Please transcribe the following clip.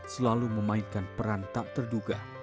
selalu memainkan peran tak terduga